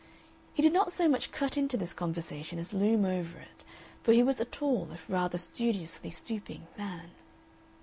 He did not so much cut into this conversation as loom over it, for he was a tall, if rather studiously stooping, man.